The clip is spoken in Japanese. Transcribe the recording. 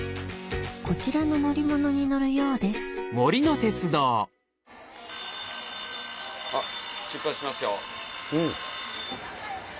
こちらの乗り物に乗るようですあっ出発しますよ。